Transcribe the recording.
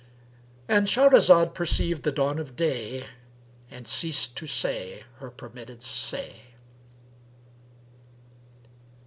"—And Shahrazad perceived the dawn of day and ceased to say her permitted say.